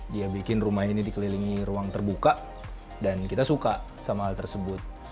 dia bikin rumah ini dikelilingi ruang terbuka dan kita suka sama hal tersebut